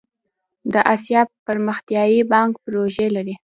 د اسیا پرمختیایی بانک پروژې لري